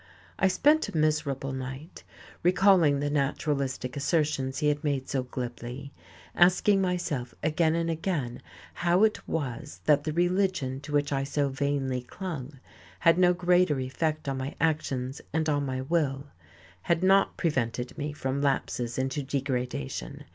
I spent a miserable night, recalling the naturalistic assertions he had made so glibly, asking myself again and again how it was that the religion to which I so vainly clung had no greater effect on my actions and on my will, had not prevented me from lapses into degradation.